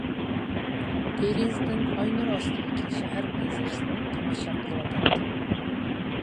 دېرىزىدىن ئاي نۇرى ئاستىدىكى شەھەر مەنزىرىسىنى تاماشا قىلىۋاتاتتىم.